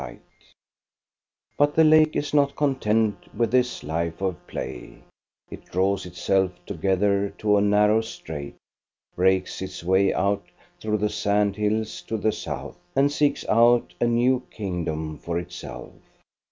30 THE STORY OF GOSTA BERUNG But the lake is not content with this life of play; it draws itself together to a narrow strait, breaks its way out through the sand hills to the south, and seeks out a new kingdom for itself.